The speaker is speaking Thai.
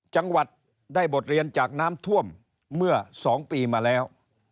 จังหวัดได้บทเรียนจากน้ำท่วมเมื่อ๒ปีมาแล้ว